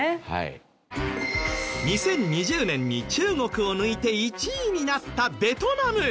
２０２０年に中国を抜いて１位になったベトナム。